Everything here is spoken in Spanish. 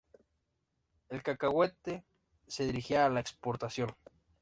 El cacahuete se dirige a la exportación.